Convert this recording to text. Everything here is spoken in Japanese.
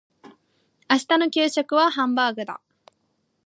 明日の給食はハンバーグだ。